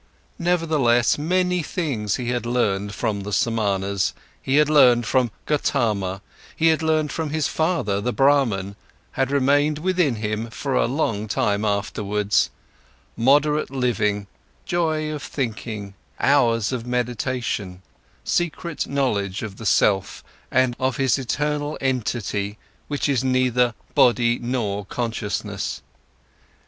Nevertheless, many things he had learned from the Samanas, he had learned from Gotama, he had learned from his father the Brahman, had remained within him for a long time afterwards: moderate living, joy of thinking, hours of meditation, secret knowledge of the self, of his eternal entity, which is neither body nor consciousness.